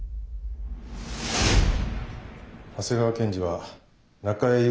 長谷川検事は中江雄